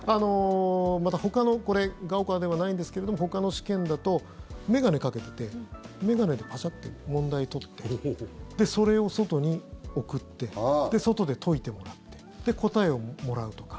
またほかの高考ではないんですけれどもほかの試験だと眼鏡をかけていて眼鏡でパシャって問題を撮ってそれを外に送って外で解いてもらってで、答えをもらうとか。